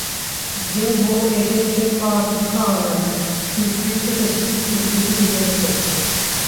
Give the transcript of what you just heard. Дьэ бу эдэр дьон баҕарбыт баҕалара, күүппүт-кэтэспит күндү киһилэрэ этэ